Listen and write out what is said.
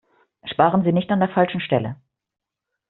Sparen Sie nicht an der falschen Stelle!